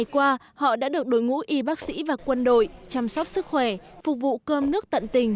qua họ đã được đối ngũ y bác sĩ và quân đội chăm sóc sức khỏe phục vụ cơm nước tận tình